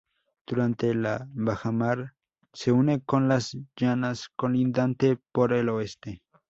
Durante la bajamar se une con las Llanas colindante por el oeste.